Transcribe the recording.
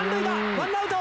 ワンアウト！